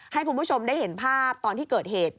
ให้คุณผู้ชมได้เห็นภาพตอนที่เกิดเหตุ